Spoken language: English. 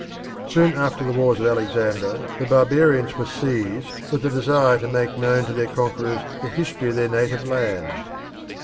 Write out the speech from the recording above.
Soon after the wars of Alexander, the "barbarians" were seized with a desire to make known to their conquerors the history of their native lands.